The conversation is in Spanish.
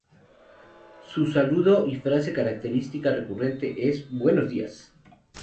Su saludo y frase característica recurrente es ""¡Buenos días!